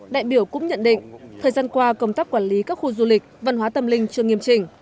đại biểu cũng nhận định thời gian qua công tác quản lý các khu du lịch văn hóa tâm linh chưa nghiêm trình